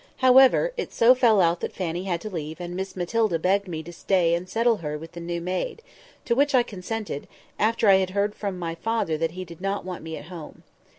However, it so fell out that Fanny had to leave and Miss Matilda begged me to stay and "settle her" with the new maid; to which I consented, after I had heard from my father that he did not want me at home.